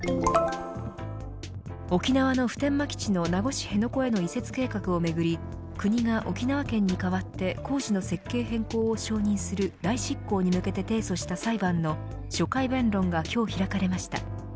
沖縄の普天間基地の名護市辺野古への移設計画をめぐり国が沖縄県に代わって工事の設計変更を承認する代執行に向けて提訴した裁判の初回弁論が今日開かれました。